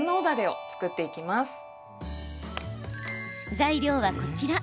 材料は、こちら。